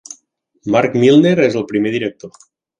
Marc Milner és el primer director.